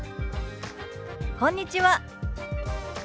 「こんにちは」。